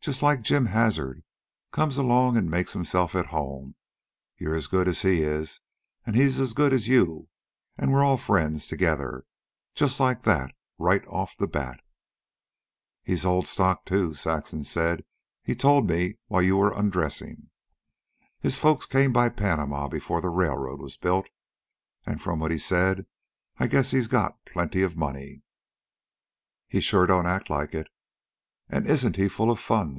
Just like Jim Hazard, comes along and makes himself at home, you're as good as he is an' he's as good as you, an' we're all friends together, just like that, right off the bat." "He's old stock, too," Saxon said. "He told me while you were undressing. His folks came by Panama before the railroad was built, and from what he said I guess he's got plenty of money." "He sure don't act like it." "And isn't he full of fun!"